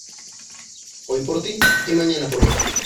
Hoy por ti, y mañana por mi.